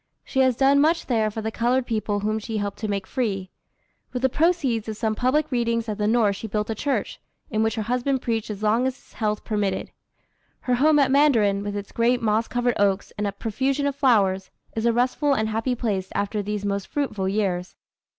She has done much there for the colored people whom she helped to make free. With the proceeds of some public readings at the North she built a church, in which her husband preached as long as his health permitted. Her home at Mandarin, with its great moss covered oaks and profusion of flowers, is a restful and happy place after these most fruitful years.